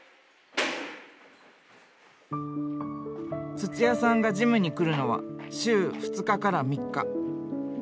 土屋さんがジムに来るのは週２日から３日。